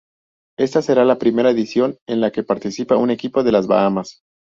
Esta será la primera edición en la que participa un equipo de las Bahamas.